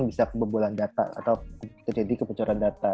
bisa kebobolan data atau terjadi kebocoran data